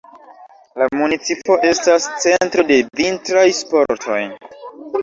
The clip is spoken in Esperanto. La municipo estas centro de vintraj sportoj.